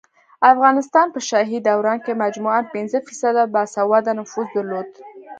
افغانستان په شاهي دوران کې مجموعاً پنځه فیصده باسواده نفوس درلود